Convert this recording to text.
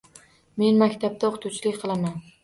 Men maktabda o‘qituvchilik qilaman.